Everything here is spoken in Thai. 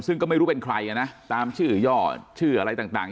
ซึ่งก็ไม่รู้เป็นใครนะตามชื่อย่อชื่ออะไรต่าง